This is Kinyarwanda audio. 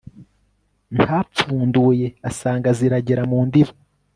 ntapfunduye asanga ziragera mu ndiba